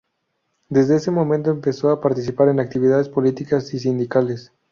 Desde ese momento empezó a participar en actividades políticas y sindicales.